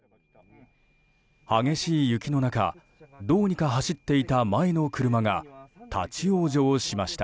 激しい雪の中どうにか走っていた前の車が立ち往生しました。